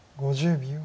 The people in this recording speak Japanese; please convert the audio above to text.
５０秒。